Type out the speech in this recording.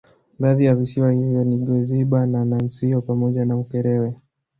Baadhi ya visiwa hivyo ni Goziba na Nansio pamoja na Ukerewe